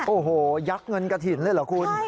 โอ้โหยักษ์เงินกระถิ่นเลยเหรอคุณ